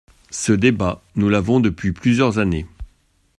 Ce débat, nous l’avons depuis plusieurs années.